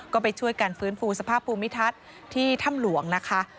ก็ไปช่วยกันฟื้นฟูสภาพภูมิทัศน์ที่ถ้ำหลวงนะคะ